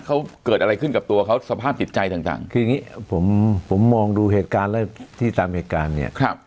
เขาเกิดอะไรขึ้นกับตัวเขาสภาพจิตใจต่างคืออย่างนี้ผมมองดูเหตุการณ์และที่ตามเหตุการณ์เนี่ย